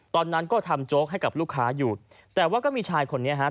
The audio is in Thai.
ตอนนั้นก็ทำโจ๊กให้กับลูกค้าอยู่แต่ว่าก็มีชายคนนี้ฮะ